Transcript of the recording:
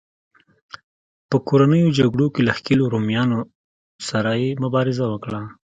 په کورنیو جګړو کې له ښکېلو رومیانو سره یې مبارزه وکړه.